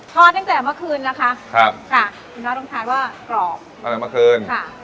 ทอดตั้งแต่เมื่อคืนนะคะครับค่ะคุณน้าต้องทานว่ากรอบอะไรเมื่อคืนค่ะ